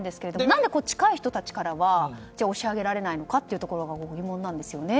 何で、近い人たちからは押し上げられないのかが疑問なんですよね。